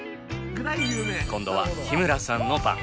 今度は日村さんの番。